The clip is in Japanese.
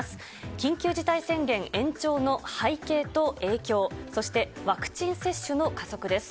緊急事態宣言延長の背景と影響、そして、ワクチン接種の加速です。